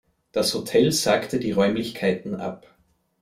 Das Hotel sagte die Räumlichkeiten ab.